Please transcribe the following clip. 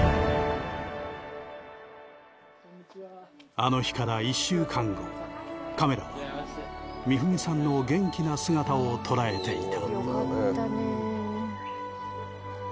あの日から１週間後カメラは美文さんの元気な姿を捉えていた